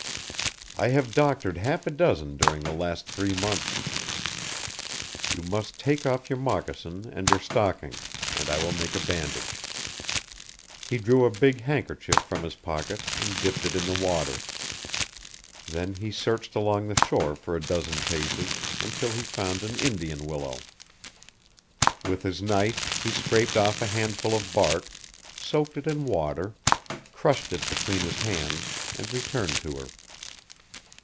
"I have doctored half a dozen during the last three months. You must take off your moccasin and your stocking, and I will make a bandage." He drew a big handkerchief from his pocket and dipped it in the water. Then he searched along the shore for a dozen paces, until he found an Indian willow. With his knife he scraped off a handful of bark, soaked it in water, crushed it between his hands, and returned to her.